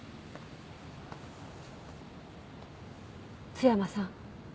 津山さん。